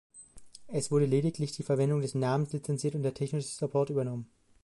Es wurde lediglich die Verwendung des Namens lizenziert und der technische Support übernommen.